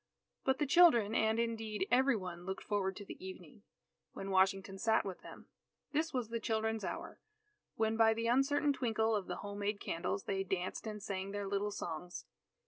But the children and indeed every one looked forward to the evening, when Washington sat with them. This was the children's hour, when by the uncertain twinkle of the home made candles, they danced and sang their little songs.